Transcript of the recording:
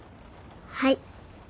はい。